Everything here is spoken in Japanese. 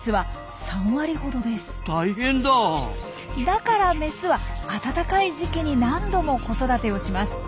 だからメスは暖かい時期に何度も子育てをします。